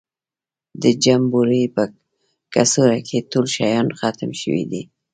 د جمبوري په کڅوړه کې ټول شیان ختم شوي دي.